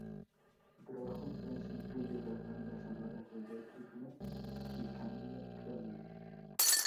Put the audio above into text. Su trabajo en Francia incluye las bandas sonoras de "Betty Blue" y "Camille Claudel".